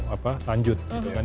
apa lanjut gitu kan